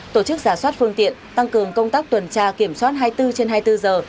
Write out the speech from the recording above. tổ chức giả soát phương tiện tăng cường công tác tuần tra kiểm soát hai mươi bốn trên hai mươi bốn giờ